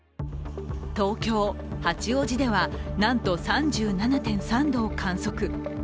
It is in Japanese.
東京・八王子ではなんと３７．３度を観測。